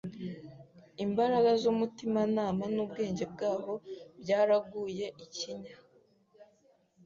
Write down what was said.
imbaraga z’umutimanama n’ubwenge bwabo byaraguye ikinya